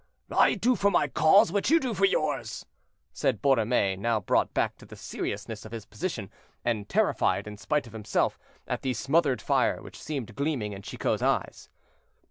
"I do for my cause what you do for yours," said Borromée, now brought back to the seriousness of his position, and terrified, in spite of himself, at the smothered fire which seemed gleaming in Chicot's eyes.